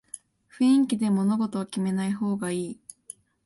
雰囲気で物事を決めない方がいい